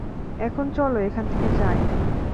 এখন চলো এখান থেকে যাই।